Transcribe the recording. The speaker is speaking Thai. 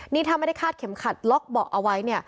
นี่ถ้าไม่ได้คาดเข็มขัดล็อกเบาะเอาไว้เนี่ย